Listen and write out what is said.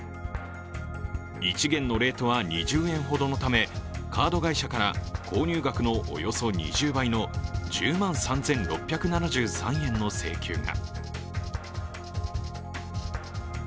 １元のレートは２０円ほどのため、カード会社から購入額のおよそ２０倍の１０万３６７３円の請求が。